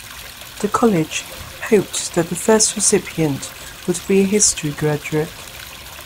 The college hoped that the first recipient would be a history graduate.